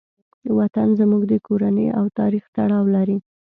وطن زموږ د کورنۍ او تاریخ تړاو لري.